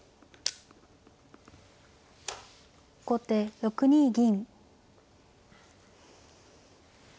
後手６二銀。